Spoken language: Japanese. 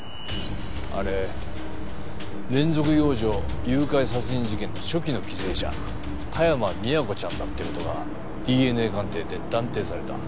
あれ連続幼女誘拐殺人事件の初期の犠牲者田山宮子ちゃんだって事がＤＮＡ鑑定で断定された。